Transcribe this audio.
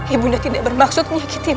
ibu tidak bermaksud menyakitimu